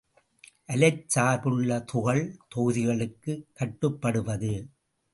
அலைச் சார்புள்ள துகள் தொகுதிகளுக்கு கட்டுப்படுவது.